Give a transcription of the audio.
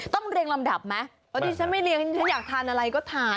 เรียงลำดับไหมเพราะดิฉันไม่เรียงฉันอยากทานอะไรก็ทาน